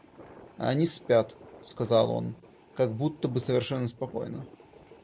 — А они спят, — сказал он как будто бы совершенно спокойно.